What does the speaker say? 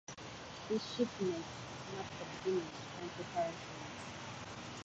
These shipments marked the beginning of plant operations.